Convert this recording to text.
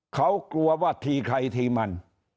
เขากลัวว่าทีใครทีมัน